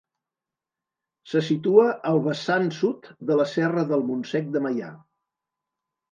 Se situa al vessant sud de la serra del Montsec de Meià.